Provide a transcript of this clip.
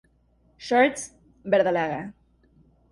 Shorts: verdolaga.